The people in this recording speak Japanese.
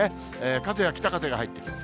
風は北風が入ってきます。